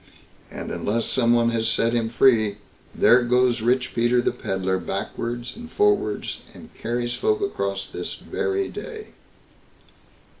And unless some one has set him free, there goes Rich Peter the Pedlar backwards and forwards, and carries folk across this very day.